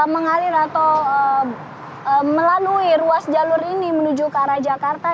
mengalir atau melalui ruas jalur ini menuju ke arah jakarta